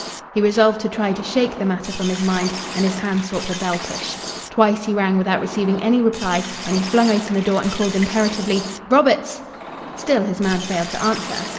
He resolved to try to shake the matter from his mind, and his hand sought the bell push. Twice he rang without receiving any reply, and he flung open the door and called imperatively "Roberts!" Still his man failed to answer.